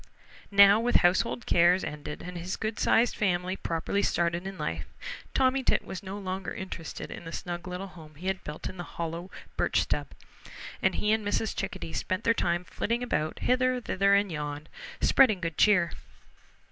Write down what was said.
Now, with household cares ended and his good sized family properly started in life, Tommy Tit was no longer interested in the snug little home he had built in a hollow birch stub, and he and Mrs. Chickadee spent their time flitting about hither, thither, and yon, spreading good cheer.